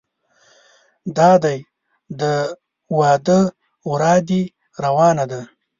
دادی د واده ورا دې روانه ده.